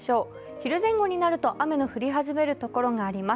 昼前後になると雨の降り始める所があります。